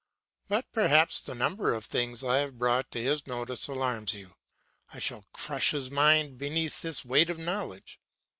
But perhaps the number of things I have brought to his notice alarms you. I shall crush his mind beneath this weight of knowledge.